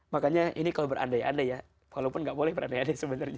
makanya ini kalau berandai andai ya walaupun nggak boleh berandai andai sebenarnya